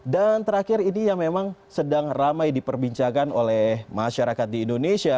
dan terakhir ini yang memang sedang ramai diperbincangkan oleh masyarakat di indonesia